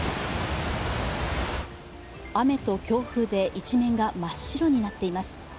雨と強風で一面が真っ白になっています。